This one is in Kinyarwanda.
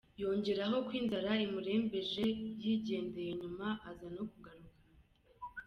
Yongeraho ko inzara imurembeje yigendeye nyuma aza no kugaruka.